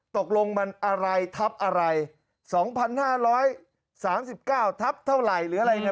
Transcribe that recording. ตกลงมันอะไรทับอะไร๒๕๓๙ทับเท่าไหร่หรืออะไรเนี่ย